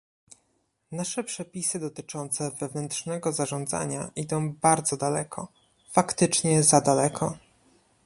Nasze przepisy dotyczące wewnętrznego zarządzania idą bardzo daleko - faktycznie za daleko